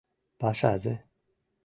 Пашазе!